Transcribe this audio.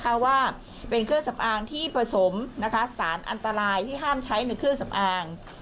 เพราะว่าเป็นเครื่องสำอางที่ผสมนะคะสารอันตรายที่ห้ามใช้ในเครื่องสำอาง